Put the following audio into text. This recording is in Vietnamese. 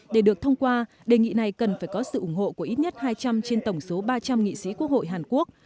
để được thông qua đề nghị này cần phải có sự ủng hộ của ít nhất hai trăm linh trên tổng số ba trăm linh nghị sĩ quốc hội hàn quốc